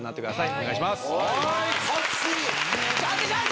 お願いします。